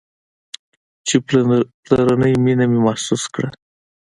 چې پلرنۍ مينه مې محسوسه کړه.